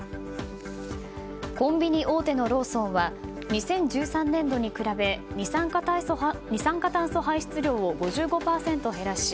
コンビニ大手のローソンは２０１３年度に比べ二酸化炭素排出量を５５％減らし